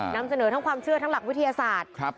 นำเสนอทั้งความเชื่อทั้งหลักวิทยาศาสตร์